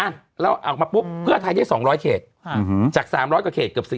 อะแล้วออกมาที่พี่โบพานได้๒๐๐เขตจาก๓๐๐เขตเกือบ๓๕๐เขต